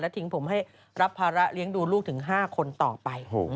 ทิ้งผมให้รับภาระเลี้ยงดูลูกถึง๕คนต่อไป